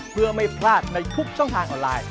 เพื่อไม่พลาดในทุกช่องทางออนไลน์